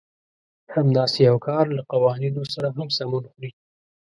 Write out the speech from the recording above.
همداسې يو کار له قوانينو سره هم سمون خوري.